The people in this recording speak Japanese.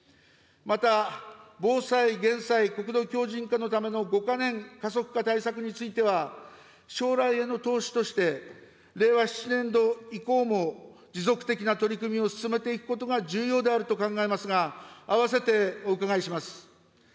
また、防災・減災、国土強じん化のための５か年加速化対策については、将来への投資として令和７年度以降も持続的な取り組みを進めていくことが重要であると考えますが、併せてお伺いします。